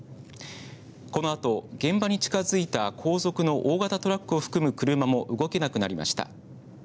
このあと現場に近づいた後続の大型トラックを含む車も動けなくなりました。